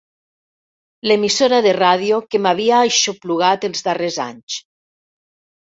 L'emissora de ràdio que m'havia aixoplugat els darrers anys.